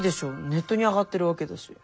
ネットに上がってるわけだし。